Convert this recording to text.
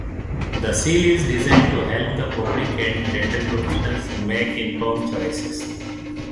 The seal is designed to help the public and dental professionals make informed choices.